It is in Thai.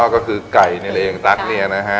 ก็คือไก่นี่เองตั๊กเนี่ยนะฮะ